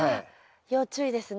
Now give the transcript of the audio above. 要注意ですね。